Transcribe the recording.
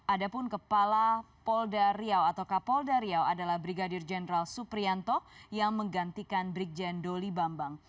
ada pun kepala kapolda riau adalah brigadir jendral suprianto yang menggantikan brigjen doli bambang